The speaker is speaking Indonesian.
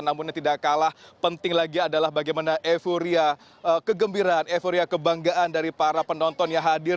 namun yang tidak kalah penting lagi adalah bagaimana euforia kegembiraan euforia kebanggaan dari para penonton yang hadir